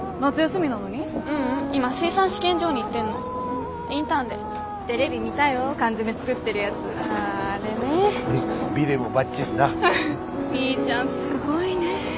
みーちゃんすごいね。